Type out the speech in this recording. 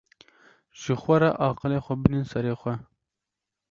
Ji xwe re aqilê xwe bînin serê xwe